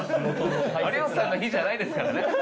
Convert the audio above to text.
有吉さんの火じゃないですからね。